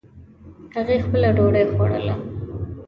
هغې خپله ډوډۍ خوړله